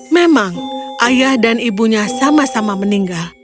memang ayah dan ibunya sama sama meninggal